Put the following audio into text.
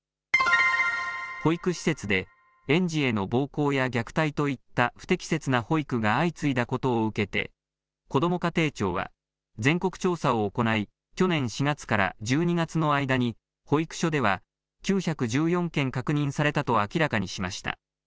保育施設で、園児への暴行や虐待といった不適切な保育が相次いだことを受けて、こども家庭庁は全国調査を行い、去年４月から１２月の間に、保育所では９１４件確認されたと明らかにしました。